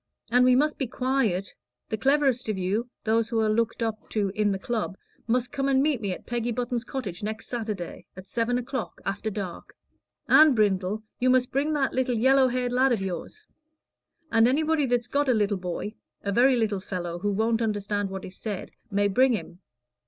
And we must be quiet. The cleverest of you those who are looked up to in the Club must come and meet me at Peggy Button's cottage next Saturday, at seven o'clock, after dark. And, Brindle, you must bring that little yellow haired lad of yours. And anybody that's got a little boy a very little fellow, who won't understand what is said may bring him.